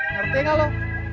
ngerti gak lu